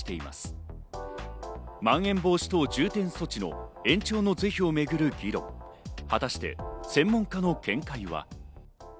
まん延防止等重点措置の延長の是非をめぐる議論、果たして専門家の見解は。